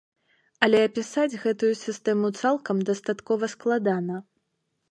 Але апісаць гэтую сістэму цалкам дастаткова складана.